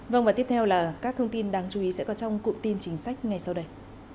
vâng và tiếp theo là các thông tin đáng chú ý sẽ có trong cụm tin chính sách ngay sau đây